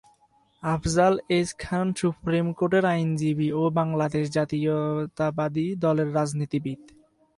Afzal H Khan supreme কোর্টের আইনজীবী ও বাংলাদেশ জাতীয়তাবাদী দলের রাজনীতিবিদ।